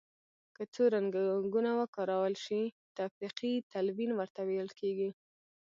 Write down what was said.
که څو رنګونه وکارول شي تفریقي تلوین ورته ویل کیږي.